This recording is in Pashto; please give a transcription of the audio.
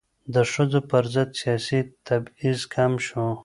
د ښځو پر ضد سیاسي تبعیض کم شو.